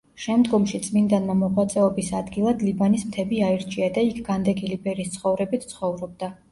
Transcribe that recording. შემდგომში წმინდანმა მოღვაწეობის ადგილად ლიბანის მთები აირჩია და იქ განდეგილი ბერის ცხოვრებით ცხოვრობდა.